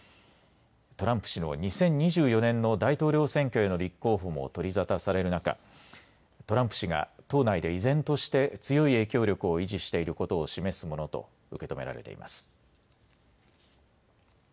トランプ氏の２０２４年の大統領選挙への立候補も取り沙汰される中、トランプ氏が党内で依然として強い影響力を維持していることを示すものと受け止められています。